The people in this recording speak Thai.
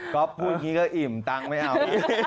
ก็พูดอย่างนี้ก็อิ่มตังค์ไม่เอา